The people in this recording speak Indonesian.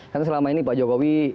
karena selama ini pak jokowi